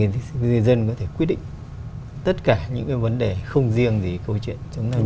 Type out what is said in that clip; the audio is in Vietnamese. thì di dân có thể quyết định tất cả những cái vấn đề không riêng gì câu chuyện chống tham nhũng